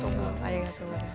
ありがとうございます。